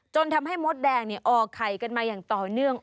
จนทำให้มดแดงออกไข่กันมาอย่างต่อเนื่อง